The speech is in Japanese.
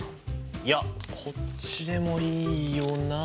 いやこっちでもいいよな。